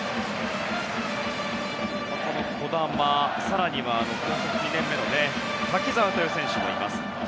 ここの児玉、更には高卒２年目の滝澤という選手もいます。